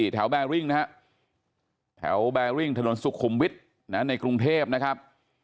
แถวแบรงก์นะฮะแถวแบรงก์ถนนสุขุมวิทย์นะในกรุงเทพนะครับ